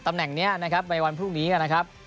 ตำแหน่งนี้นะครับในวันพรุ่งนี้นะครับ